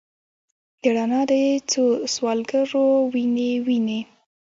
د رڼا د څوسوالګرو، وینې، وینې